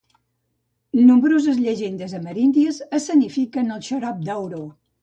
Nombroses llegendes ameríndies escenifiquen el xarop d'auró.